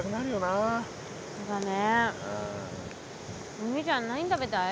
お兄ちゃん何食べたい？